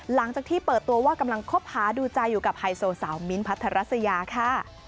หลังจากที่เปิดตัวว่ากำลังคบหาดูใจอยู่กับไฮโซสาวมิ้นท์พัทรัสยาค่ะ